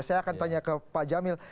saya akan tanya ke pak jamil